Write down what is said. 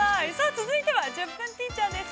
続いては「１０分ティーチャー」です。